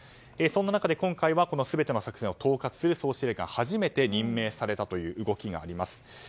そんな中で今回は全ての攻撃を統括する総司令官が始めて任命されたという動きがあります。